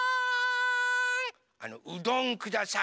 あのうどんください。